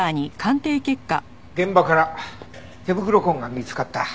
現場から手袋痕が見つかった。